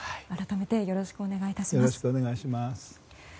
改めてよろしくお願い致します。